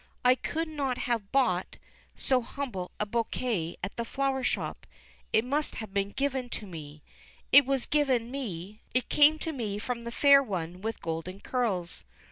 I could not have bought so humble a bouquet at the flower shop; it must have been given me. It was given me, it came to me from the fair one with golden curls.